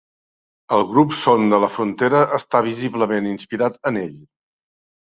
El grup Son de la Frontera està visiblement inspirat en ell.